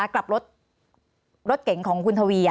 กลับรถเก่งของคุณทวี